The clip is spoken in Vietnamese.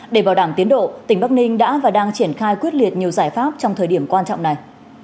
để bảo đảm tiến độ tỉnh bắc ninh đã và đang triển khai quyết liệt nhiều giải pháp trong thời điểm quan trọng này